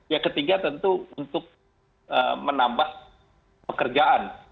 yang ketiga tentu untuk menambah pekerjaan